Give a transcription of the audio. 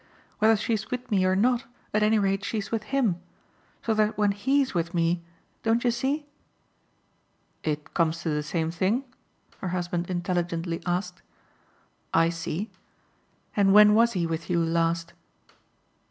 Whether she's with me or not, at any rate, she's with HIM; so that when HE'S with me, don't you see ?" "It comes to the same thing?" her husband intelligently asked. "I see. And when was he with you last?"